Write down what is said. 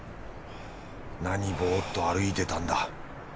何ボーっと歩いてたんだ。